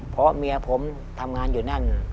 เพราะเมียผมทำงานอยู่นั่น